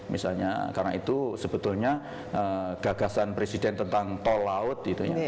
misalnya karena itu sebetulnya gagasan presiden tentang tol laut itu ya